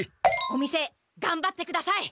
お店がんばってください！